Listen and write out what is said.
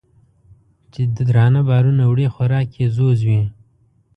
چې درانه بارونه وړي خوراک یې ځوځ وي